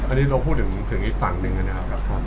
อันนี้เราพูดถึงอีกฝั่งหนึ่งนะครับ